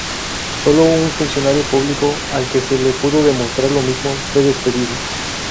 Sólo un funcionario público, al que se le pudo demostrar lo mismo, fue despedido.